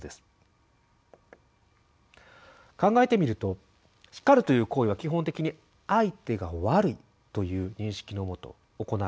考えてみると叱るという行為は基本的に「相手が悪い」という認識のもと行われています。